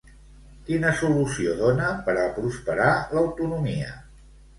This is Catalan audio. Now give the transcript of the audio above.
Quina solució dona per a prosperar l'autonomia?